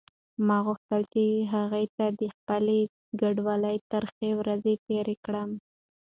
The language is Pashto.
ما غوښتل چې هغې ته د خپلې کډوالۍ ترخې ورځې تېرې کړم.